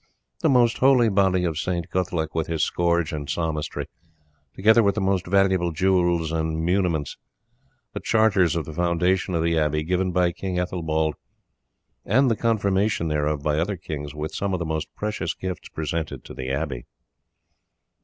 The most holy body of St. Guthlac with his scourge and psalmistry, together with the most valuable jewels and muniments, the charters of the foundation of the abbey, given by King Ethelbald, and the confirmation thereof by other kings, with some of the most precious gifts presented to the abbey."